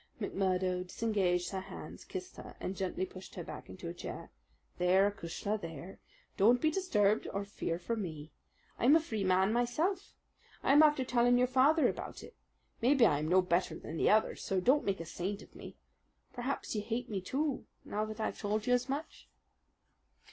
McMurdo disengaged her hands, kissed her, and gently pushed her back into a chair. "There, acushla, there! Don't be disturbed or fear for me. I'm a Freeman myself. I'm after telling your father about it. Maybe I am no better than the others; so don't make a saint of me. Perhaps you hate me too, now that I've told you as much?"